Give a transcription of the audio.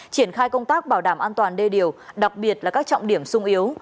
triển khai công tác bảo đảm an toàn đê điều đặc biệt là các trọng điểm sung yếu